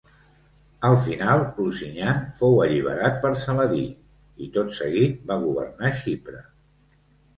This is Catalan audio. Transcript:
Al final Lusignan fou alliberat per Saladí i, tot seguit, va governar Xipre.